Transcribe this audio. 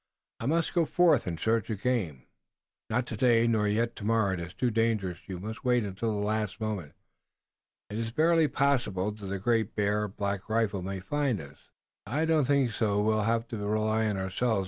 I must go forth in search of game." "Not today, nor yet tomorrow. It is too dangerous. You must wait until the last moment. It is barely possible that the Great Bear or Black Rifle may find us." "I don't think so. We'll have to rely on ourselves.